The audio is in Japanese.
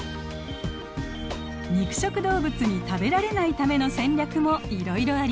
肉食動物に食べられないための戦略もいろいろあります。